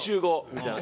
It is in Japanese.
みたいな。